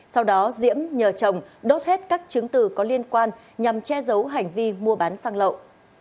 sau đó diễm nhờ chồng đốt hết các chứng từ có liên quan nhằm che giấu hành vi mua bán xăng lậu